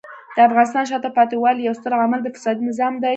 د افغانستان د شاته پاتې والي یو ستر عامل د فسادي نظام دی.